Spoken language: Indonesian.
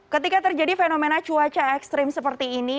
ketika terjadi fenomena cuaca ekstrim seperti ini